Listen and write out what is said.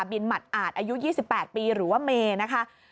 หมัดอาจอายุ๒๘ปีหรือว่าเมนะคะ